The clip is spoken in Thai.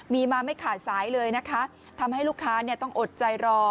มีมาไม่ขาดสายเลยนะคะทำให้ลูกค้าต้องอดใจรอ